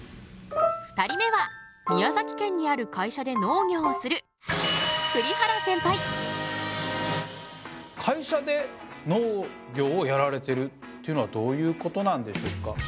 ２人目は宮崎県にある会社で農業をする会社で農業をやられてるっていうのはどういうことなんでしょうか？